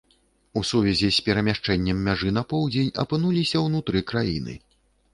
У сувязі з перамяшчэннем мяжы на поўдзень апынуліся унутры краіны.